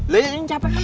lu yang capek kan